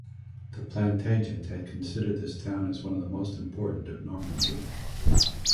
The Plantagenet had considered this town as one of the most important of Normandy.